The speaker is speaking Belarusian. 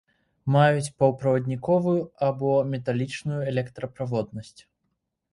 Маюць паўправадніковую або металічную электраправоднасць.